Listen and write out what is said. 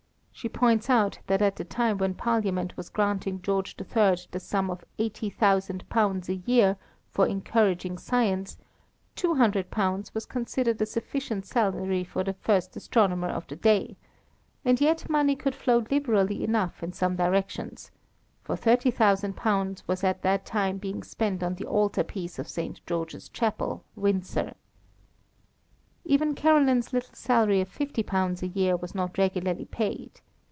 She points out that at the time when Parliament was granting George III. the sum of £80,000 a year for encouraging science, £200 was considered a sufficient salary for the first astronomer of the day; and yet money could flow liberally enough in some directions, for £30,000 was at that time being spent on the altar piece of St. George's Chapel, Windsor. Even Caroline's little salary of £50 a year was not regularly paid.